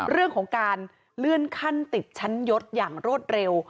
เรื่องของการเลื่อนขั้นติดชั้นยศอย่างรวดเร็ว